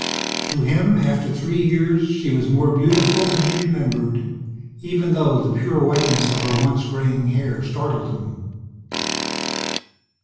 To him, after three years, she was more beautiful than he remembered, even though the pure whiteness of her once graying hair startled him.